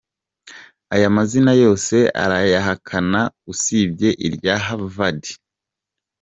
Aya mazina yose arayahakana usibye irya Havard.